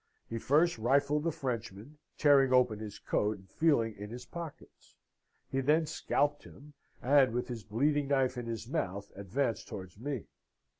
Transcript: He first rifled the Frenchman, tearing open his coat, and feeling in his pockets: he then scalped him, and with his bleeding knife in his mouth advanced towards me.